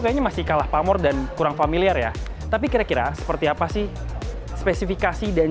kayaknya masih kalah pamor dan kurang familiar ya tapi kira kira seperti apa sih spesifikasi dari